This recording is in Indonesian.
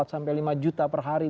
empat sampai lima juta per hari